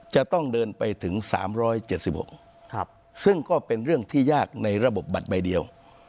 จะต้องเดินไปถึง๓๗๖ซึ่งก็เป็นเรื่องที่ยากในระบบบัตรใบเดียว